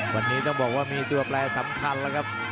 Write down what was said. วันนี้ต้องบอกว่ามีตัวแปลสำคัญแล้วครับ